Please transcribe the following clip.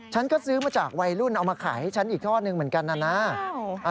ฉันก็ซื้อมาจากวัยรุ่นเอามาขายให้ฉันอีกทอดหนึ่งเหมือนกันนะนะ